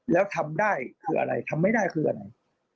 แล้วทำได้คืออะไรทำไม่ได้คืออะไร